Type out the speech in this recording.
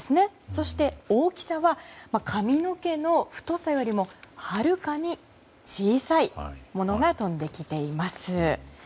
そして大きさは髪の毛の太さよりもはるかに小さいものが飛んできています。